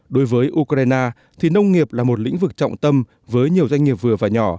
đối với ukraine thì nông nghiệp là một lĩnh vực trọng tâm với nhiều doanh nghiệp vừa và nhỏ